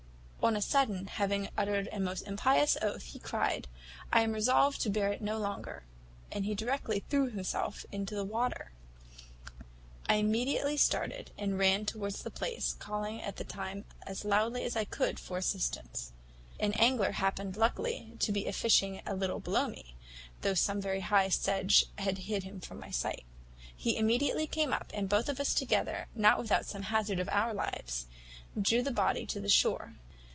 On a sudden, having uttered a most impious oath, he cried, `I am resolved to bear it no longer,' and directly threw himself into the water. I immediately started, and ran towards the place, calling at the same time as loudly as I could for assistance. An angler happened luckily to be a fishing a little below me, though some very high sedge had hid him from my sight. He immediately came up, and both of us together, not without some hazard of our lives, drew the body to the shore.